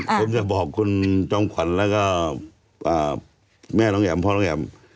ผมจะบอกคุณจอมขวัญแล้วก็แม่น้องแอมพ่อน้องแอม